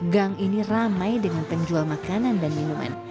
gang ini ramai dengan penjual makanan dan minuman